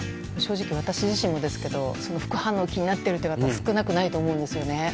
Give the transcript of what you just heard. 正直、私自身もですけど副反応が気になっているという方少なくないと思うんですね。